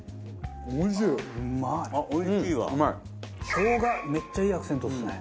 しょうがめっちゃいいアクセントですね。